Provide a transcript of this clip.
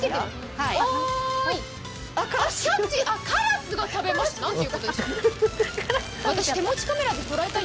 カラスが食べました、何ということでしょう。